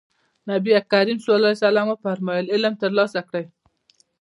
نبي کريم ص وفرمايل علم ترلاسه کړئ.